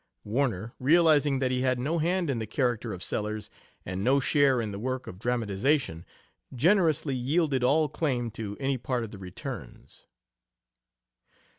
Warner, realizing that he had no hand in the character of Sellers, and no share in the work of dramatization, generously yielded all claim to any part of the returns.